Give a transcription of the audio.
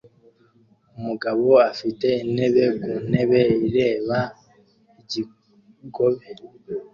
Umugabo afite intebe ku ntebe ireba ikigobe